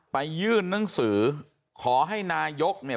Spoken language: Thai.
ไปยื่นนักงสิขอให้นายกเนี่ย